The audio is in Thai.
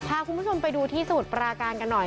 พาคุณผู้ชมไปดูที่สมุทรปราการกันหน่อย